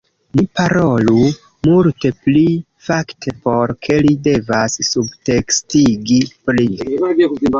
Ni parolu multe pli fakte por ke li devas subtekstigi pli